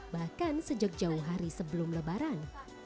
bahkan sejak jauh hari sebelum lebaran